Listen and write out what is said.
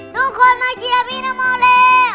ทุกคนมาเชียร์พี่นโมเล